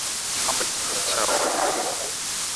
Kikombe ni chafu.